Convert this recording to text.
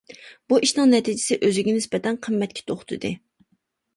بۇ ئىشنىڭ نەتىجىسى ئۆزىگە نىسبەتەن قىممەتكە توختىدى.